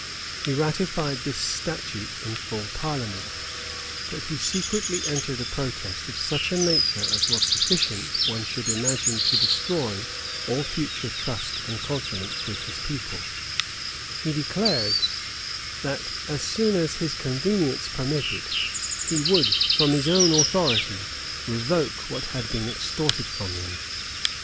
He ratified this statute in full parliament: but he secretly entered a protest of such a nature as was sufficient, one should imagine to destroy all future trust and confidence with his people; he declared that, as soon as his convenience permitted, he would, from his own authority, revoke what had been extorted from him.